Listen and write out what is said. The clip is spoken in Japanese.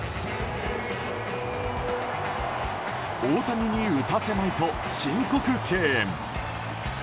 大谷に打たせまいと申告敬遠。